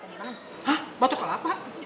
hah batok kalapa